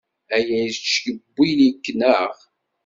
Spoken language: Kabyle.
Aya yettcewwil-ik, naɣ?